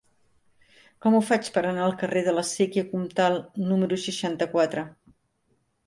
Com ho faig per anar al carrer de la Sèquia Comtal número seixanta-quatre?